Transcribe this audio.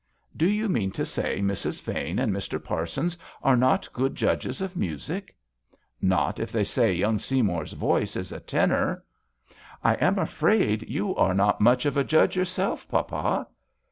"Do you mean to say Mrs. Vane and Mr. Parsons are not good judges of music ?"" Not if they say young Sey mour's voice is a tenor." " I am afraid you are not much of a judge yourself, papa."